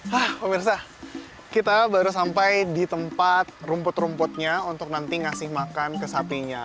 hah pemirsa kita baru sampai di tempat rumput rumputnya untuk nanti ngasih makan ke sapinya